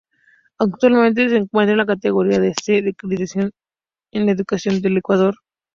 Actualmente se encuentra en la categoría C, de acreditación de la educación del Ecuador.